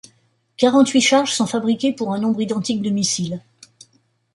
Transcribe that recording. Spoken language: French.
Quarante-huit charges sont fabriquées pour un nombre identique de missiles.